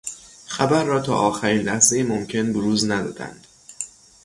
خبر را تا آخرین لحظهی ممکن بروز ندادند.